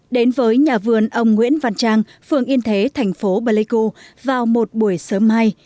đến với nhà vườn ông nguyễn văn trang phường yên thế thành phố bà lê cô vào một buổi sớm mai